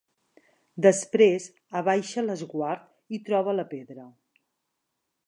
Després abaixa l'esguard i troba la pedra.